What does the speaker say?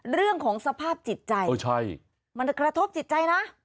เรื่องของสภาพจิตใจมันกระทบจิตใจนะ